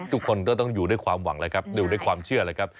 ทุกคนก็ต้องอยู่ด้วยความหวังแล้วครับอยู่ด้วยความเชื่อเลยครับ